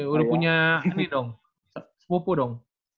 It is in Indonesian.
udah punya ini dong sepupu dong